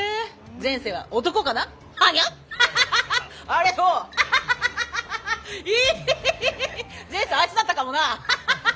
前世はあいつだったかもなハハハ！